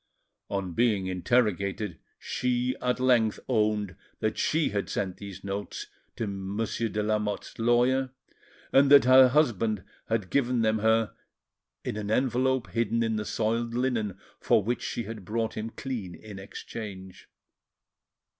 On being interrogated, she at length owned that she had sent these notes to Monsieur de Lamotte's lawyer, and that her husband had given them her in an envelope hidden in the soiled linen for which she had brought him clean in exchange.